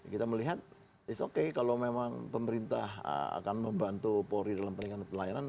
kita melihat it's okay kalau memang pemerintah akan membantu polri dalam peningkatan pelayanan